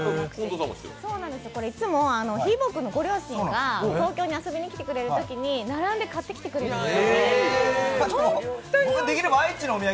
いつもひーぼぉくんのご両親が東京に遊びに来てくれるときに並んで買ってきてくれるんです。